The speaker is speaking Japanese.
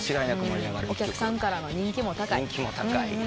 お客さんからの人気も高い。